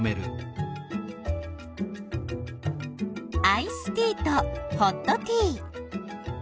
アイスティーとホットティー。